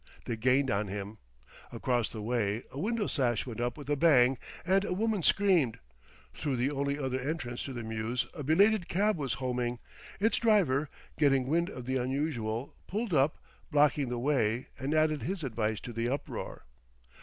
They gained on him. Across the way a window sash went up with a bang, and a woman screamed. Through the only other entrance to the mews a belated cab was homing; its driver, getting wind of the unusual, pulled up, blocking the way, and added his advice to the uproar.